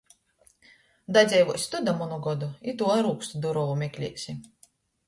Dadzeivuosi tu da munu godu, i tu ar ūkstu durovu mekliesi!